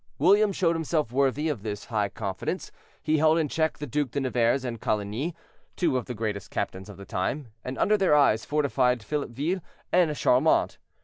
William showed himself worthy of this high confidence: he held in check the Duc de Nevers and Coligny, two of the greatest captains of the time, and under their eyes fortified Philipville and Charlemont.